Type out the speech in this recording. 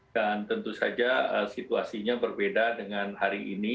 dan tentu saja situasinya berbeda dengan hari ini